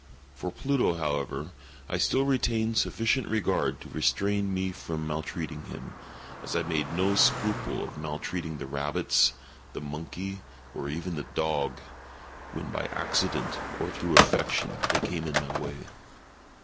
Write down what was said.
For Pluto, however, I still retained sufficient regard to restrain me from maltreating him, as I made no scruple of maltreating the rabbits, the monkey, or even the dog, when by accident, or through affection, they came in my way.